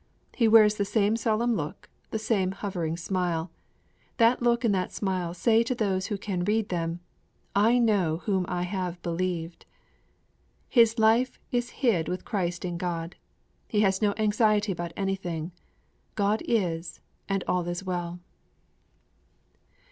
He wears the same solemn look, the same hovering smile. That look and that smile say to those who can read them, "I know whom I have believed." His life is hid with Christ in God; he has no anxiety about anything; God is, and all is well.'